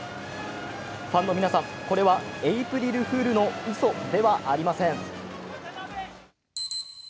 ファンの皆さん、これはエープリルフールのうそではありません。